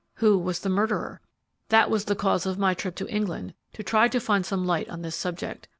Who was the murderer? That was the cause of my trip to England to try to find some light on this subject.